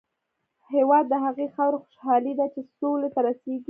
هېواد د هغې خاورې خوشحالي ده چې سولې ته رسېږي.